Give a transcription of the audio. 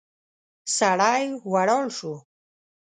سړی ولاړ شو.